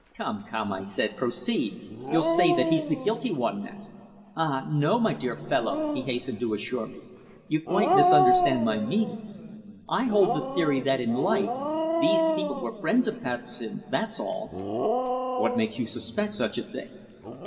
"Come come," I said, "proceed. You'll say that he's the guilty one next." "Ah! no, my dear fellow," he hastened to reassure me. "You quite misunderstand my meaning. I hold the theory that in life these people were friends of Patterson's, that's all." "What makes you suspect such a thing?"